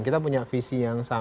kita punya visi yang sama